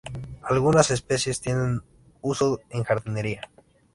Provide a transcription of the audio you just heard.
Algunas especies tienen uso en jardinería.